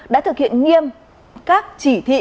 đã thực hiện nghiêm các chỉ thị